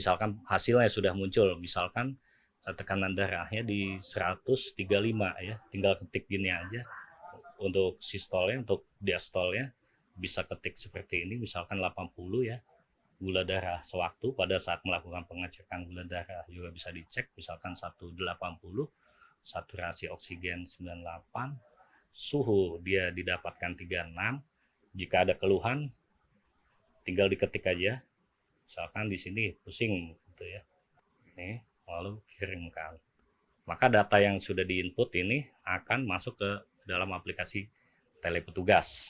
jika ada keluhan tinggal diketik aja misalkan disini pusing gitu ya lalu kirim ke alam maka data yang sudah di input ini akan masuk ke dalam aplikasi telepetugas